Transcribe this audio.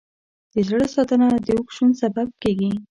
د زړه ساتنه د اوږد ژوند سبب کېږي.